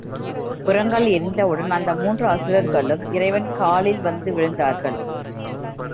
புரங்கள் எரிந்தவுடன் அந்த மூன்று அசுரர்களும் இறைவன் காலில் வந்து விழுந்தார்கள்.